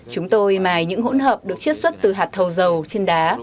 chúng tôi mài những hỗn hợp được chiết xuất từ hạt thầu dầu trên đá